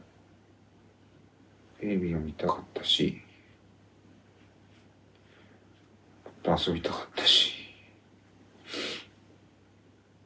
テレビが見たかったしもっと遊びたかったし。